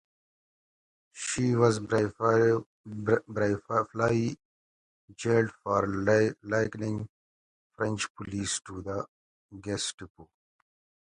She was briefly jailed for likening French police to the Gestapo.